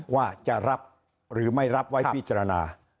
ว่าจะรับหรือไม่รับไว้พิจารณา